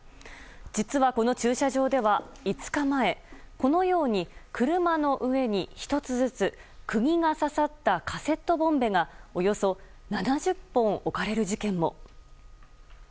実はこの駐車場では５日前、このように車の上に１つずつ釘の刺さったカセットボンベがおよそ７０本、置かれる事件も。